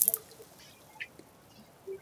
তুমি আসলে কে?